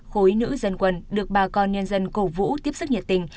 khối nữ dân quân được bà con nhân dân cổ vũ tiếp sức nhiệt tình